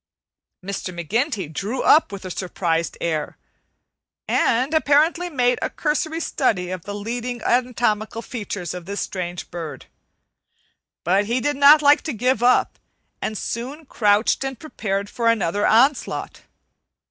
Mr. McGinty drew up with a surprised air, and apparently made a cursory study of the leading anatomical features of this strange bird; but he did not like to give up, and soon crouched and prepared for another onslaught.